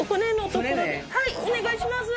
お願いします。